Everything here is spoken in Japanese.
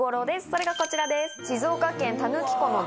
それがこちらです。